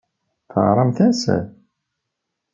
Teɣramt-as?